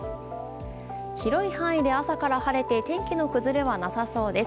広い範囲で朝から晴れて天気の崩れはなさそうです。